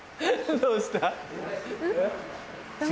どうした？